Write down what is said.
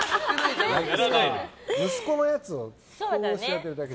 息子のやつをこうしてるだけ。